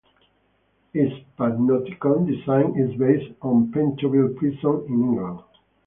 Its panopticon design is based on Pentonville Prison in England.